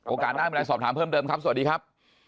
โอกาสหน้าเมื่อไหร่สอบถามเพิ่มเดิมครับสวัสดีครับ